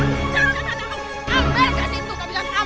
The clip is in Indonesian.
ayolah ikut aku